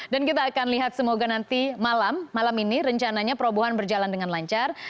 dan kita akan lihat semoga nanti malam malam ini rencananya perobohan berjalan dengan lancar